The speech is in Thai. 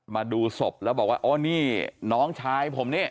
มาดูศพแล้วบอกว่าโอ้นี่น้องชายผมนี่